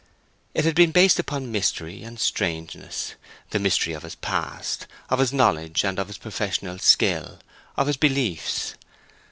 It had been based upon mystery and strangeness—the mystery of his past, of his knowledge, of his professional skill, of his beliefs.